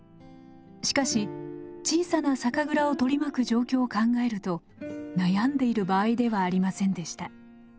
しかし小さな酒蔵を取り巻く状況を考えると悩んでいる場合ではありませんでした。